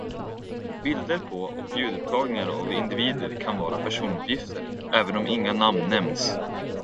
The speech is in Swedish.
Bilder på och ljudupptagningar av individer kan vara personuppgifter, även om inga namn nämns.